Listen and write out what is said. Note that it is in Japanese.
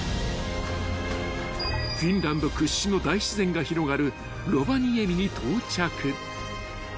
［フィンランド屈指の大自然が広がるロヴァニエミに到着］